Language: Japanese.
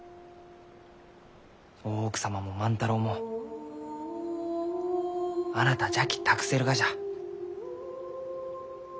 大奥様も万太郎もあなたじゃき託せるがじゃ。